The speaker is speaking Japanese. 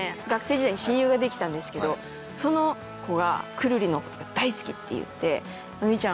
学生時代に親友ができたんですけどそのコが「くるりのこと大好き！」って言って。